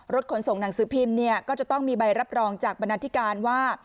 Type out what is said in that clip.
ขนส่งหนังสือพิมพ์เนี่ยก็จะต้องมีใบรับรองจากบรรณาธิการว่า